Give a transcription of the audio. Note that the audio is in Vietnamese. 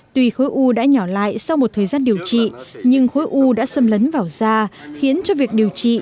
tuy khối u đã nhỏ lại sau một thời gian điều trị nhưng khối u đã xâm lấn vào da khiến cho việc điều trị